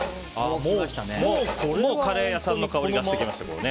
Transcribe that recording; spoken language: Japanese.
もうカレー屋さんの香りがしてきましたね。